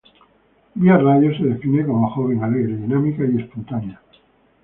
Vía Radio se define como joven, alegre, dinámica y espontánea.